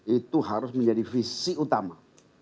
itu harus menjadi visi utama